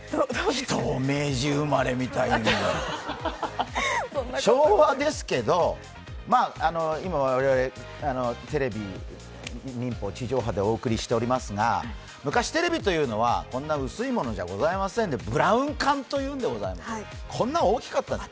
人を明治生まれみたいに昭和ですけど、まあ、我々、民放、地上波でお送りしておりますが昔、テレビというのはこんな薄いものではございませんでブラウン管というんでございまして、こんな大きかったんです。